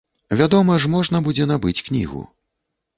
Вядома ж, можна будзе набыць кнігу.